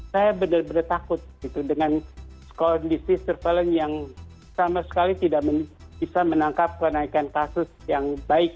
saya benar benar takut dengan kondisi surveillance yang sama sekali tidak bisa menangkap penaikan kasus yang baik